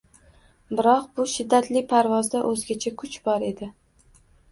Biroq bu shiddatli parvozda o‘zgacha Kuch bor edi